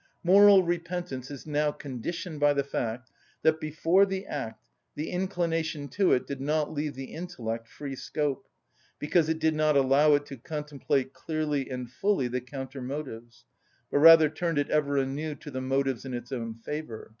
Moral repentance is now conditioned by the fact that before the act the inclination to it did not leave the intellect free scope, because it did not allow it to contemplate clearly and fully the counter‐motives, but rather turned it ever anew to the motives in its own favour.